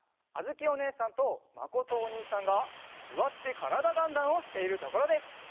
あづきおねえさんとまことおにいさんが「すわってからだ☆ダンダン」をしているところです。